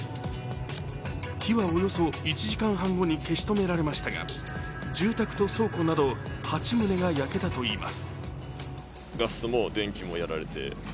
火はおよそ１時間半後に消し止められましたが住宅と倉庫など８棟が焼けたといいます。